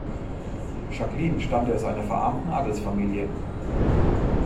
Jacqueline stammte aus einer verarmten Adelsfamilie.